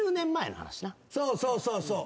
そうそうそうそう。